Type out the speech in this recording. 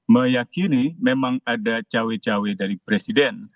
meyakini memang ada cawe cawe dari presiden